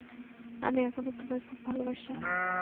আমি এখনও তোমায় খুব ভালোবাসি!